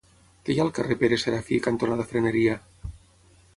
Què hi ha al carrer Pere Serafí cantonada Freneria?